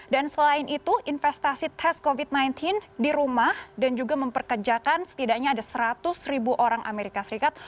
dan selain itu investasi tes covid sembilan belas di rumah dan juga memperkejakan setidaknya ada seratus ribu orang amerika serikat